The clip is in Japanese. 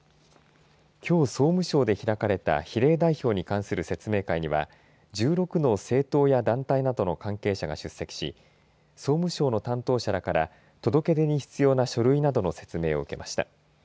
きょう総務省で開かれた比例代表に関する説明会には１６の政党や団体などの関係者が出席し総務省の関係者らから届け出に必要な書類などの説明を受けました。